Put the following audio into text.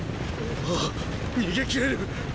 ああ逃げきれる！